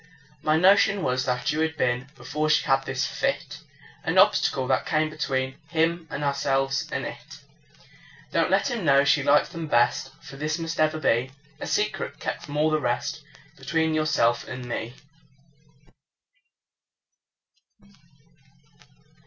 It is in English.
My notion was that you had been (Before she had this fit) An obstacle that came between Him and ourselves and it. Don't let him know she liked them best, For this must ever be A secret, kept from all the rest, Between yourself and me.